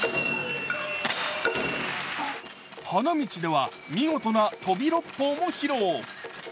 花道では見事な飛び六方も披露。